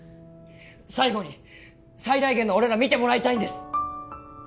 最後に最大限の俺ら見てもらいたいんです！